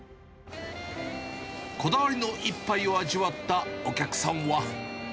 こだわりの一杯を味わったお客さんは。